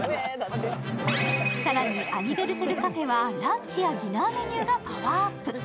更にアニヴェルセルカフェはランチやディナーメニューがパワーアップ。